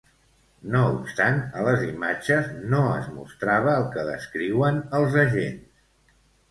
No obstant, a les imatges no es mostrava el que descriuen els agents.